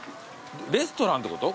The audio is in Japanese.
レストランってこと？